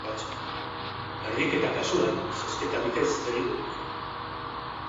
Berdinketa kasuan, zozketa bidez egingo dute.